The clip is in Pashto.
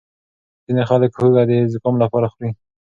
ځینې خلک هوږه د زکام لپاره خوري.